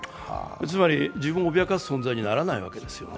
つまり、自分を脅かす存在にならないわけですよね。